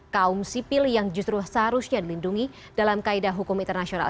kaum sipil yang justru seharusnya dilindungi dalam kaedah hukum internasional